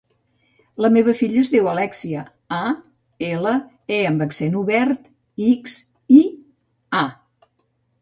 La meva filla es diu Alèxia: a, ela, e amb accent obert, ics, i, a.